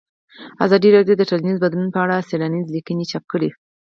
ازادي راډیو د ټولنیز بدلون په اړه څېړنیزې لیکنې چاپ کړي.